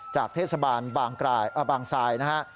จากเทศบาลบางทรายนะฮะ